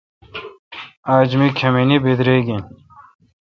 اج می کھمینین بدریگ این